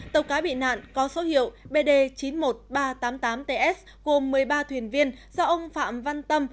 tàu cá bị nạn có số hiệu bd chín mươi một nghìn ba trăm tám mươi tám ts gồm một mươi ba thuyền viên do ông phạm văn tâm